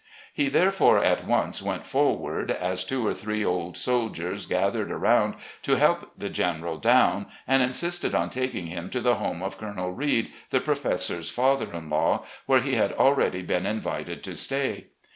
He, therefore, at once went forward, as two or three old soldiers gathered arotmd to help the General down, and insisted on taking him to the home of Colonel Reid, the professor's father in law, where he had already been invited to stay.